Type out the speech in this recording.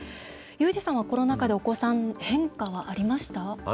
ユージさんはコロナ禍でお子さんに変化ありました？